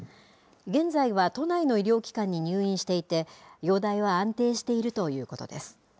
現在は都内の医療機関に入院していて、容体は安定しているということです。